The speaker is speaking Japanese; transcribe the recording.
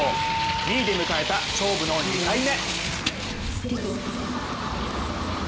２位で迎えた勝負の２回目。